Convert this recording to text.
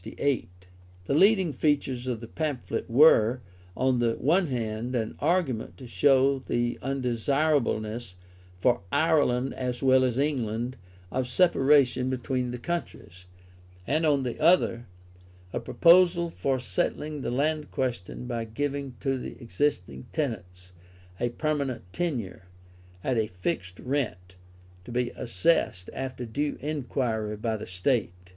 The leading features of the pamphlet were, on the one hand, an argument to show the undesirableness, for Ireland as well as England, of separation between the countries, and on the other, a proposal for settling the land question by giving to the existing tenants a permanent tenure, at a fixed rent, to be assessed after due inquiry by the State.